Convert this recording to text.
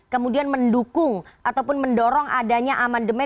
kemudian mendukung ataupun mendorong adanya aman demokrasi